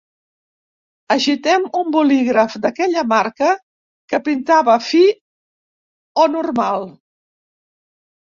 Agitem un bolígraf d'aquella marca que pintava fi o normal.